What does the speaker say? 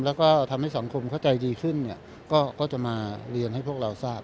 แล้วก็ทำให้สังคมเข้าใจดีขึ้นเนี่ยก็จะมาเรียนให้พวกเราทราบ